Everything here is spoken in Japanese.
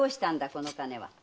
この金は？